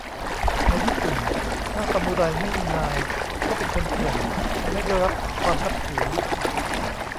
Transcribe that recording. ในญี่ปุ่น ถ้าซามูไรไม่มีนาย ก็เป็นคนเถื่อน ไม่ได้รับความนับถือ